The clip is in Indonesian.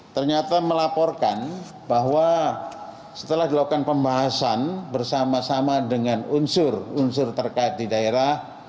ternyata melaporkan bahwa setelah dilakukan pembahasan bersama sama dengan unsur unsur terkait di daerah